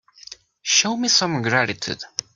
Show me some gratitude.